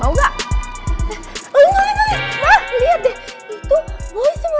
oh enggak enggak enggak